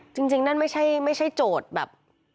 จริงนั่นไม่ใช่โจทย์แบบ